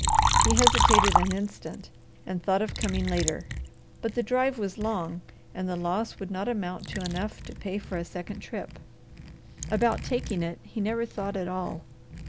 He hesitated an instant, and thought of coming later; but the drive was long and the loss would not amount to enough to pay for a second trip. About taking it, he never thought at all.